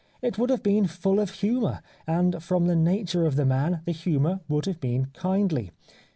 It would have been full of humour, and from the nature of the man the humour would have been kindly.